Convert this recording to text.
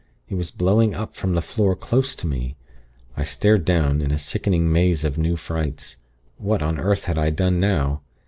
It was blowing up from the floor close to me. I stared down, in a sickening maze of new frights. What on earth had I done now!